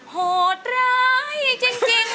โหดร้ายจริงจริง